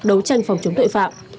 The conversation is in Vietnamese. đấu tranh phòng chống tội phạm